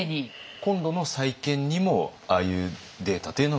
今度の再建にもああいうデータというのは生かされる？